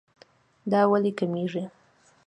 دا ولې کميږي